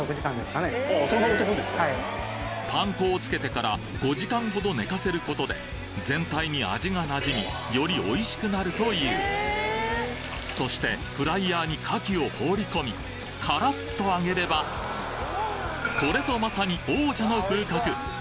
パン粉を付けてから５時間ほど寝かせることで全体に味がなじみよりおいしくなるというそしてフライヤーに牡蠣を放り込みカラッと揚げればこれぞまさに王者の風格！